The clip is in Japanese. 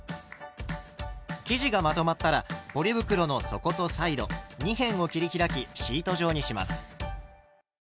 生地がまとまったらポリ袋の底とサイド二辺を切り開きシート状にします。